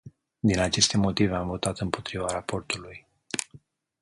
Din aceste motive, am votat împotriva raportului.